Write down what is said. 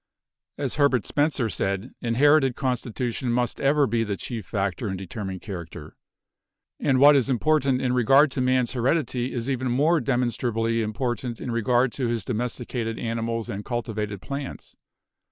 As Herbert Spencer said, 'Inherited con stitution must ever be the chief factor in determining 237 238 BIOLOGY character.' And what is important in regard to Man's heredity is even more demonstrably important in regard to his domesticated animals and cultivated plants.